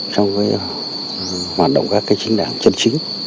trong hoạt động các chính đảng chân chính